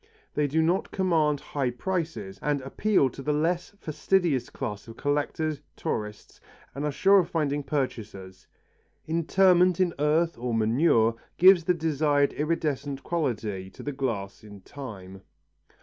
They do not command high prices, and appeal to the less fastidious class of collectors, tourists, and are sure of finding purchasers. Interment in earth or manure gives the desired iridescent quality to the glass in time.